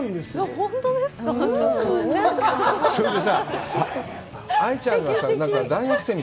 本当ですか？